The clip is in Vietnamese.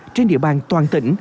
trên địa bàn toàn tỉnh